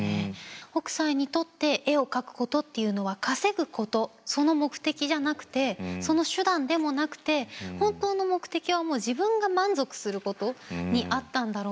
北斎にとって絵を描くことっていうのは稼ぐことその目的じゃなくてその手段でもなくて本当の目的はもう自分が満足することにあったんだろうなと思いましたね。